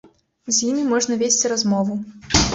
З імі можна весці размову.